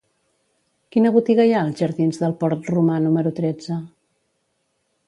Quina botiga hi ha als jardins del Port Romà número tretze?